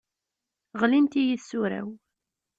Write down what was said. Ɣlint-iyi tsura-w.